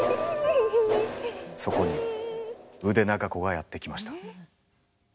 そこに腕長子がやって来ました。